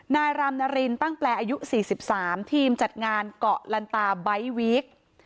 รามนารินตั้งแปลอายุ๔๓ทีมจัดงานเกาะลันตาไบท์วีค